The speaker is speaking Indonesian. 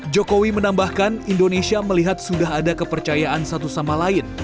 jokowi menambahkan indonesia melihat sudah ada kepercayaan satu sama lain